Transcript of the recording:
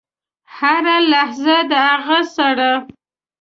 هره لحظه د هغه سره .